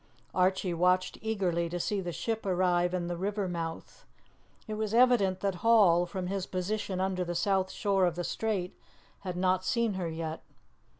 Archie watched eagerly to see the ship arrive in the river mouth. It was evident that Hall, from his position under the south shore of the strait, had not seen her yet.